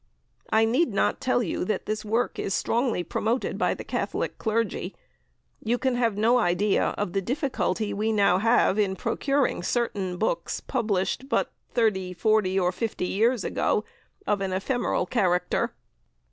I need not tell you that this work is strongly promoted by the Catholic clergy. You can have no idea of the difficulty we now have in procuring certain books published but 30, 40, or 50 years ago of an ephemeral character.